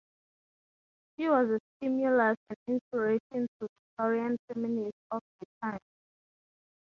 She was a stimulus and inspiration to Victorian feminists of the time.